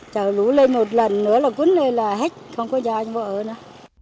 trời lũ lên một lần nữa là cuốn lên là hết không có nhà anh bộ ở nữa